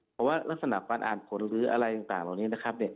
เหมือนว่าลักษณะการอ่านผลหรืออะไรต่างตรงนี้นะครับ